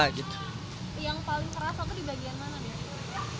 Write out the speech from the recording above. yang paling keras apa di bagian mana